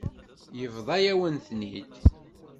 Yebḍa-yawen-ten-id.